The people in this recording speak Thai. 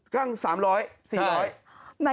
กล้าง๓๐๐บาท๔๐๐บาท